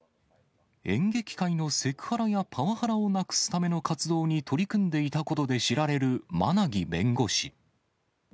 演劇界のセクハラやパワハラをなくすための活動に取り組んでいたことで知られる馬奈木弁護士。